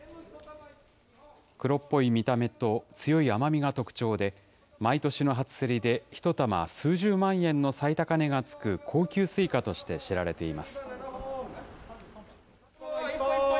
黒っぽい見た目と強い甘みが特徴で、毎年の初競りで１玉数十万円の最高値がつく高級スイカとして知られています。